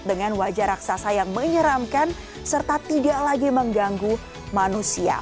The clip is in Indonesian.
dengan wajah raksasa yang menyeramkan serta tidak lagi mengganggu manusia